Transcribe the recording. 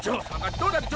そうだった。